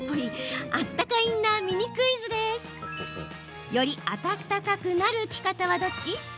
あったかインナー、ミニクイズ！よりあたたかくなる着方はどっち？